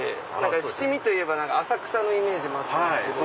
七味といえば浅草のイメージもあったんですけど。